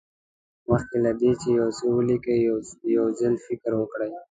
مخکې له دې چې یو څه ولیکئ یو ځل فکر وکړئ.